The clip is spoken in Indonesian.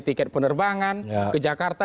tiket penerbangan ke jakarta